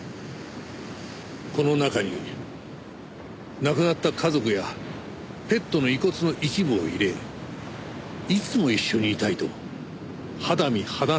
この中に亡くなった家族やペットの遺骨の一部を入れいつも一緒にいたいと肌身離さず持っているための。